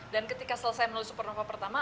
dan ketika selesai menulis supernova pertama